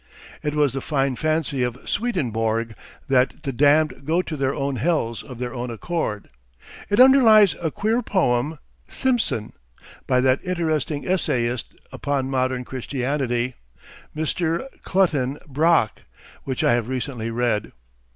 It was the fine fancy of Swedenborg that the damned go to their own hells of their own accord. It underlies a queer poem, "Simpson," by that interesting essayist upon modern Christianity, Mr. Clutton Brock, which I have recently read.